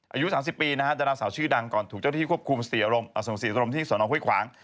อายุ๓๐ปีนะฮะดาราสาวชื่อดังก่อนถูกเจ้าหน้าที่ควบคุมศรีรมที่สนห้วยขวาง